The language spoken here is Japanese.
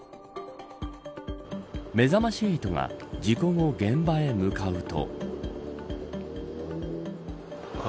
めざまし８が事故後現場へ向かうと。